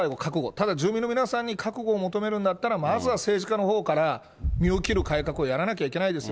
ただ住民の皆さんに覚悟を求めるんだったら、まずは政治家のほうから、身を切る改革をやらなきゃいけないですよ。